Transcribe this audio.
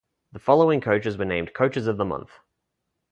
The following coaches were named Coaches of the Month.